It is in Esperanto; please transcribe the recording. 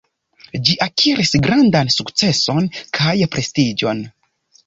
Ĝi akiris grandan sukceson kaj prestiĝon.